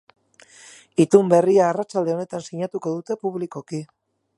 Itun berria arratsalde honetan sinatuko dute publikoki.